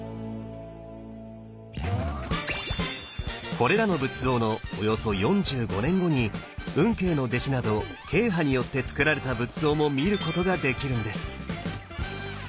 これらの仏像のおよそ４５年後に運慶の弟子など慶派によってつくられた仏像も見ることができるんです！